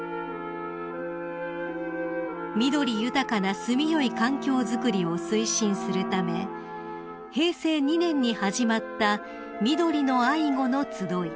［緑豊かな住みよい環境づくりを推進するため平成２年に始まった「みどりの愛護」のつどい］